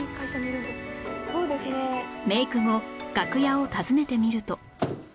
メイク後楽屋を訪ねてみると